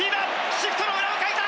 シフトの裏をかいた！